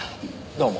どうも。